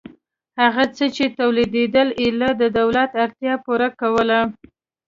هغه څه چې تولیدېدل ایله د دولت اړتیا پوره کوله